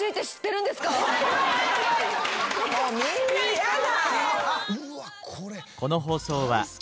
もうみんなやだ。